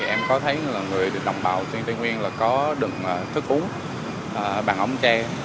em có thấy người đồng bào tây nguyên có đựng thức uống bằng ống tre